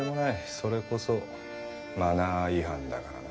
それこそマナー違反だからな。